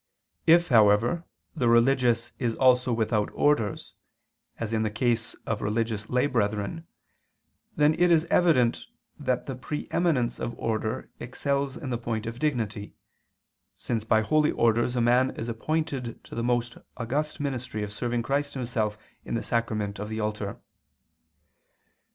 If, however, the religious is also without orders, as in the case of religious lay brethren, then it is evident that the pre eminence of order excels in the point of dignity, since by holy orders a man is appointed to the most august ministry of serving Christ Himself in the sacrament of the altar.